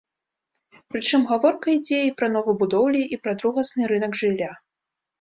Прычым гаворка ідзе і пра новабудоўлі, і пра другасны рынак жылля.